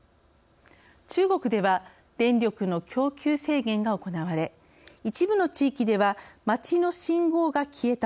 中国では電力の供給制限が行われ一部の地域では「街の信号が消えた」